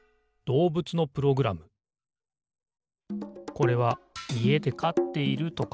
これはいえでかっているトカゲ。